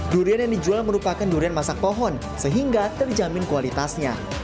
durian yang dijual merupakan durian masak pohon sehingga terjamin kualitasnya